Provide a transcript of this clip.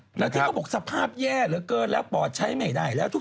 แล้วที่เขาบอกสภาพแย่เหลือเกินแล้วปอดใช้ไม่ได้แล้ว